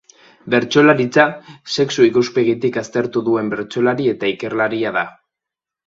Bertsolaritza sexu-ikuspegitik aztertu duen bertsolari eta ikerlaria da.